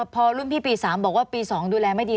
พอรุ่นพี่ปี๓บอกว่าปี๒ดูแลไม่ดี